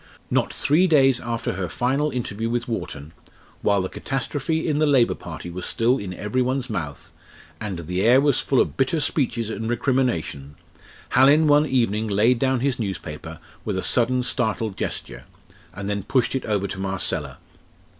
Not three days after her final interview with Wharton, while the catastrophe in the Labour party was still in every one's mouth, and the air was full of bitter speeches and recriminations, Hallin one evening laid down his newspaper with a sudden startled gesture, and then pushed it over to Marcella.